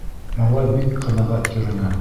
Малай бик ҡәнәғәт йөрөнө.